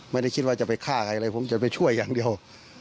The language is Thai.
ไม่ได้คิดว่าจะไปฆ่าใครเลยผมจะไปช่วยอย่างเดียว